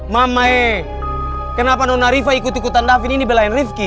mamai kenapa nona riva ikut ikutan david ini belain rifki